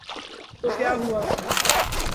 تو کیا ہوا۔